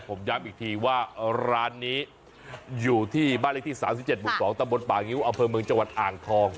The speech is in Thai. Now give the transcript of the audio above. แล้วก็ผมย้ำอีกทีว่าร้านนี้อยู่ที่บ้านเลขที่๓๗บุคคลองตะบนป่างิวอเภอมืงจอ่างทอง